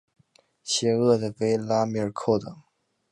邪恶的维拉米尔寇等。